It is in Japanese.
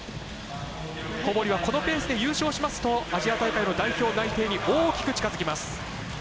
小堀は、このペースで優勝しますとアジア大会の代表内定に大きく近づきます。